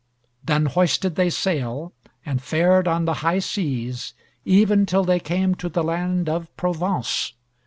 Then hoisted they sail, and fared on the high seas even till they came to the land of Provence.